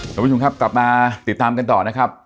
คุณผู้ชมครับกลับมาติดตามกันต่อนะครับ